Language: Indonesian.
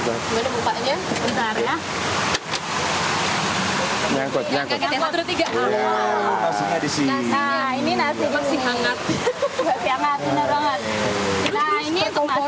kalau untuk kompor kita ada di sebelah sini